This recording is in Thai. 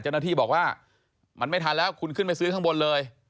เจ้าหน้าที่บอกว่ามันไม่ทันแล้วคุณขึ้นไปซื้อข้างบนเลย